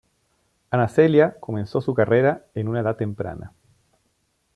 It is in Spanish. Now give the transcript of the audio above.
Ana Celia comenzó su carrera en una edad temprana.